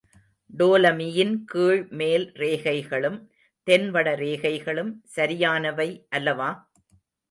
டோலமியின் கீழ்மேல் ரேகைகளும், தென் வட ரேகைகளும் சரியானவை அல்லவா?